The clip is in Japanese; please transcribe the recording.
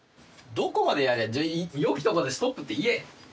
どこまでやれじゃ良きところでストップって言え！